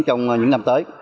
trong những năm tới